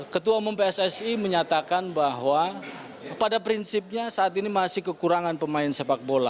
ketua umum pssi menyatakan bahwa pada prinsipnya saat ini masih kekurangan pemain sepak bola